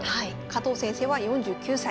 加藤先生は４９歳。